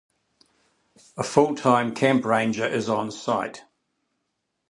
A full-time camp ranger is on site.